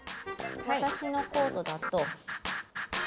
私のコートだと。